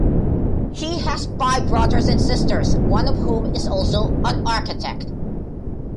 He has five brothers and sisters, one of whom is also an architect.